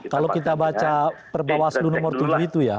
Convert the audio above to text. kalau kita baca perbawah seluruh nomor tujuh itu ya